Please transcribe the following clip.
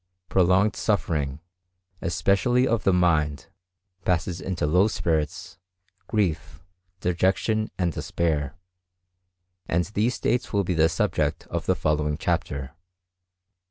Prolonged suffering, especially of the mind, passes into low spirits, grief, dejection, and despair, and these states will be the subject of the following chapter.